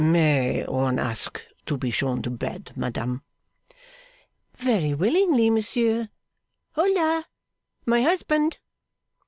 'May one ask to be shown to bed, madame?' Very willingly, monsieur. Hola, my husband!